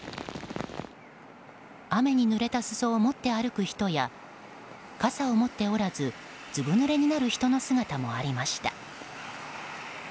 雨にぬれた裾を持って歩く人や傘を持っておらずずぶぬれになる人の姿もありました。